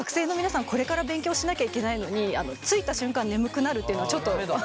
これから勉強しなきゃいけないのにあの着いた瞬間眠くなるっていうのはちょっと。